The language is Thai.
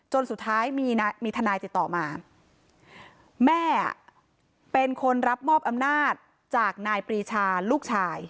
สุดท้ายมีทนายติดต่อมาแม่เป็นคนรับมอบอำนาจจากนายปรีชาลูกชาย